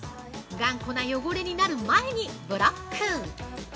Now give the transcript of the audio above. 頑固な汚れになる前にブロック。